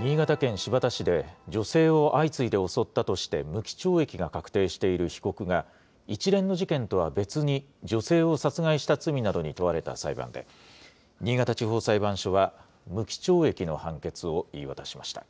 新潟県新発田市で、女性を相次いで襲ったとして無期懲役が確定している被告が、一連の事件とは別に、女性を殺害した罪などに問われた裁判で、新潟地方裁判所は、無期懲役の判決を言い渡しました。